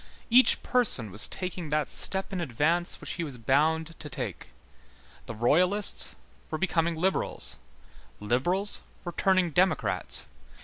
Each person was taking that step in advance which he was bound to take. The Royalists were becoming liberals, liberals were turning democrats.